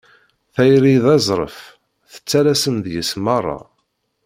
Tayri d azref, tettalasem deg-s merra.